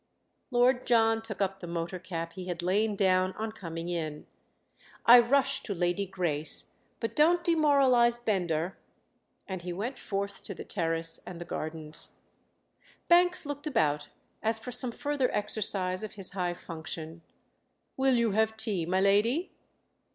Lord John took up the motor cap he had lain down on coming in. "I rush to Lady Grace, but don't demoralise Bender!" And he went forth to the terrace and the gardens. Banks looked about as for some further exercise of his high function. "Will you have tea, my lady?"